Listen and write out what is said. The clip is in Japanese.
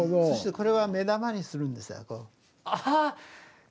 これは目玉にするんです。